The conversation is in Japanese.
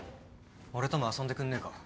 俺とも遊んでくんねえか？